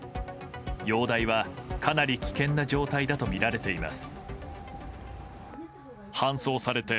容体はかなり危険な状態だとみられています。